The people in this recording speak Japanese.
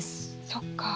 そっか。